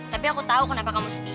tapi aku tahu kenapa kamu sedih